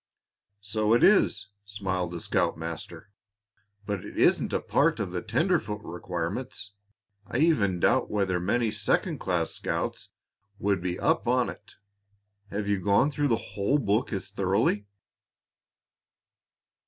"So it is," smiled the scoutmaster; "but it isn't a part of the tenderfoot requirements. I even doubt whether many second class scouts would be up on it. Have you gone through the whole book as thoroughly?"